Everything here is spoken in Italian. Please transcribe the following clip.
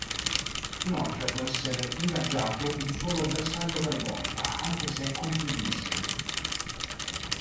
Inoltre può essere ingaggiato un solo bersaglio per volta, anche se con più missili.